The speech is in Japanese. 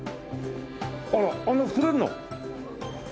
あらあんな膨れるの？